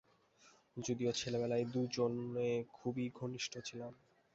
যদিও ছেলেবেলায় দুজনে খুবই ঘনিষ্ঠ ছিলাম।